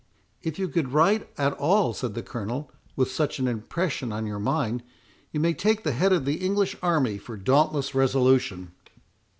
"If you could write at all," said the Colonel, "with such an impression on your mind, you may take the head of the English army for dauntless resolution."